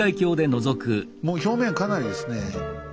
もう表面かなりですね